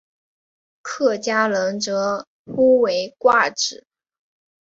客家人则呼为挂纸。